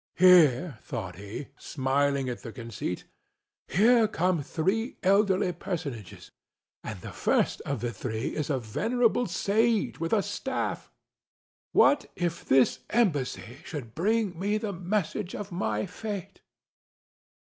"Here," thought he, smiling at the conceit—"here come three elderly personages, and the first of the three is a venerable sage with a staff. What if this embassy should bring me the message of my fate?"